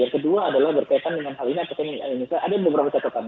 yang kedua adalah berkaitan dengan hal ini atau indonesia ada beberapa catatan